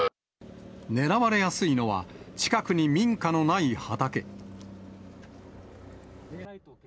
狙われやすいのは、近くに民家のない畑。